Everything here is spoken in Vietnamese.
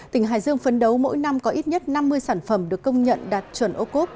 tỉnh hà giang phấn đấu mỗi năm có ít nhất năm mươi sản phẩm được công nhận đạt chuẩn ô cốt